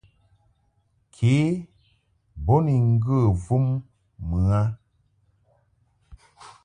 Ke bo ni ŋgə vum mɨ a.